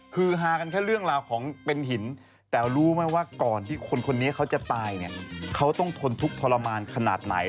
คือฮากันแค่เรื่องราวของเป็นหินแต่รู้ไหมว่าก่อนที่คนคนนี้เขาจะตายเนี่ยเขาต้องทนทุกข์ทรมานขนาดไหน